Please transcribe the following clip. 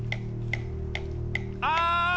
ああ！